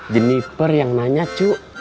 jeniper yang nanya cu